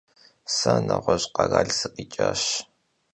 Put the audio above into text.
Se neğueş' kheral sıkhiç'aş.